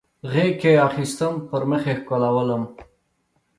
غیږ کې اخیستم پر مخ یې ښکلولم